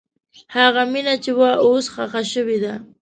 هغه مینه چې وه، اوس ښخ شوې ده.